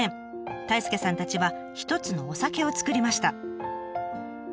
太亮さんたちは一つのお酒を造りました。